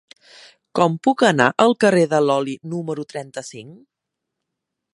Com puc anar al carrer de l'Oli número trenta-cinc?